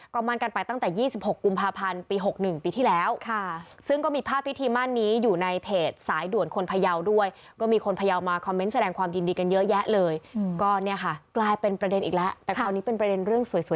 ก็มั่นกันไปตั้งแต่๒๖กุมภาพันธ์ปี๖๑ปีที่แล้ว